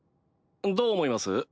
どう思います？